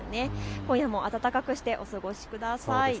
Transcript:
今夜も暖かくしてお過ごしください。